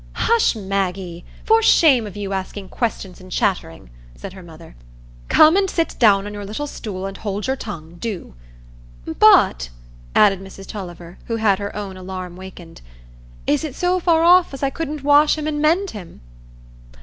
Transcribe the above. "Hush, Maggie! for shame of you, asking questions and chattering," said her mother. "Come and sit down on your little stool, and hold your tongue, do. But," added Mrs Tulliver, who had her own alarm awakened, "is it so far off as I couldn't wash him and mend him?"